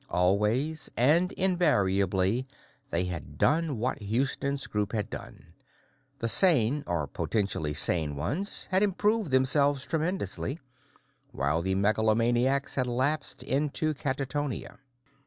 Always and invariably, they had done what Houston's group had done the sane or potentially sane ones had improved themselves tremendously, while the megalomaniacs had lapsed into catatonia.